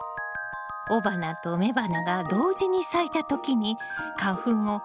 雄花と雌花が同時に咲いた時に花粉を運んでくれたのね。